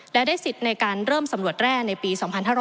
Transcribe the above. และได้สิทธิ์ในการเริ่มสำรวจแร่ในปี๒๕๕๙